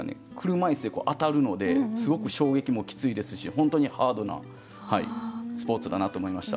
車いすで当たるのですごく衝撃もきついですし本当にハードなスポーツだなと思いました。